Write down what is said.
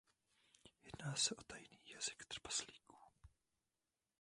Jedná se o tajný jazyk trpaslíků.